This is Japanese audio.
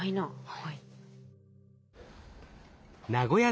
はい。